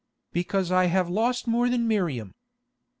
"Because I have lost more than Miriam.